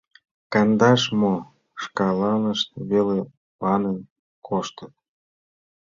Кондаш мо — шкаланышт веле ваҥен коштыт...